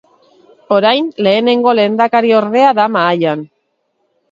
Orain, Lehenengo lehendakariordea da mahaian.